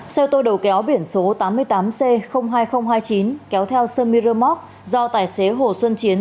xe ô tô đầu kéo biển số tám mươi tám c hai nghìn hai mươi chín kéo theo sân miramont do tài xế hồ xuân chiến